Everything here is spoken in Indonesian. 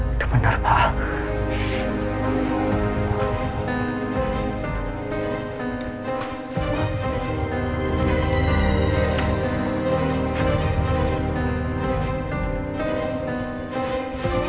itu bener pak